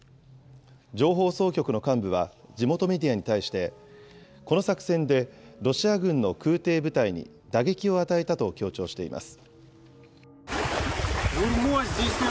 情報総局の幹部は地元メディアに対して、この作戦でロシア軍の空てい部隊に打撃を与えたと強調しています。